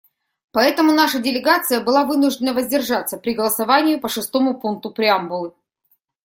Поэтому наша делегация была вынуждена воздержаться при голосовании по шестому пункту преамбулы.